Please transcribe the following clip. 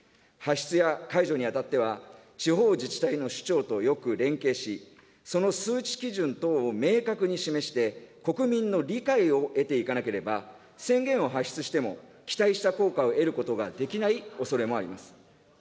発出や解除にあたっては、地方自治体の首長とよく連携し、その数値基準等を明確に示して国民の理解を得ていかなければ、宣言を発出しても、期待した効果を得ることができないおそれもあります。